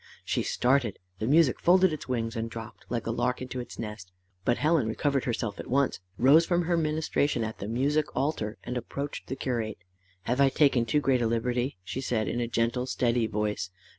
She started. The music folded its wings and dropped like a lark into its nest. But Helen recovered herself at once, rose from her ministration at the music altar, and approached the curate. "Have I taken too great a liberty?" she said, in a gentle, steady voice.